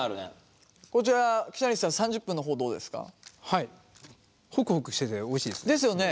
はいホクホクしてておいしいです。ですよね。